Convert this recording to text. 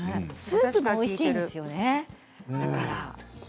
スープもおいしいですよね。